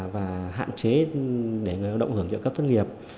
và hạn chế để người lao động hưởng dựa các thất nghiệp